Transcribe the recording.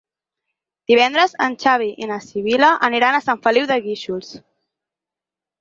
Divendres en Xavi i na Sibil·la aniran a Sant Feliu de Guíxols.